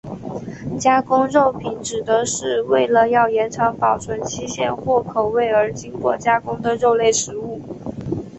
加工肉品指的是为了要延长保存期限或口味而经过加工的肉类食物。